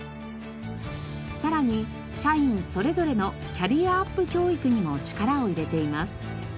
さらに社員それぞれのキャリアアップ教育にも力を入れています。